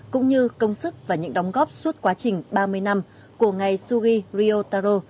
cũng như công sức và những đóng góp suốt quá trình ba mươi năm của ngày sugi ryotaro